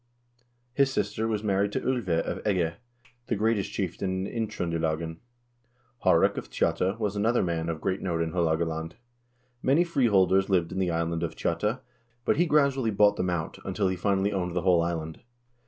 His sister was married to 01ve of Egge, the greatest chieftain in Indtr0ndelagen. Haarek of Tjotta was another man of great note in Haalogaland. Many free holders lived in the island of Tjotta, but he gradually bought them out, until he finally owned the whole island.